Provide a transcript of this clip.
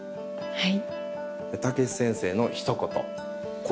はい。